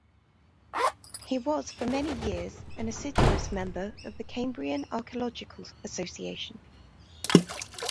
He was for many years an assiduous member of the Cambrian Archaeological Association.